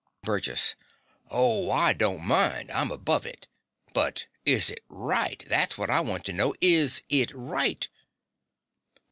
BURGESS. Oh, I don't mind. I'm above it. But is it RIGHT? that's what I want to know. Is it right?